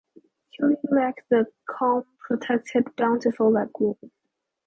Kili lacked the calm, protected, bountiful lagoon.